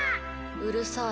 うるさい。